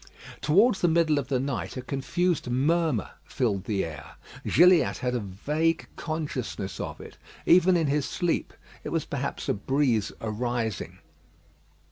Towards the middle of the night a confused murmur filled the air. Gilliatt had a vague consciousness of it even in his sleep. It was perhaps a breeze arising.